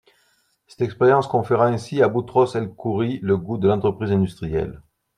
Cette expérience conféra ainsi à Boutros el-Khoury le goût de l’entreprise industrielle.